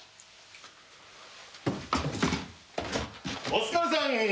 お疲れさん！